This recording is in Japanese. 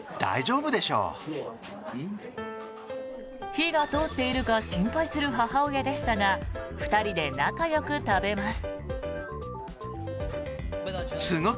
火が通っているか心配する母親でしたが２人で仲よく食べます。